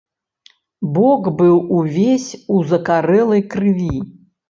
Бок быў увесь у закарэлай крыві.